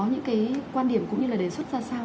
những cái quan điểm cũng như là đề xuất ra sao